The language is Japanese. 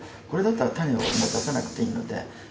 これだったら種をもう出さなくていいので。